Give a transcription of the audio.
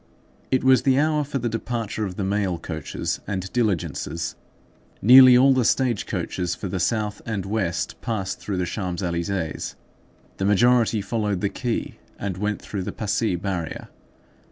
It was the hour for the departure of the mail coaches and diligences. Nearly all the stage coaches for the south and west passed through the Champs Élysées. The majority followed the quay and went through the Passy Barrier.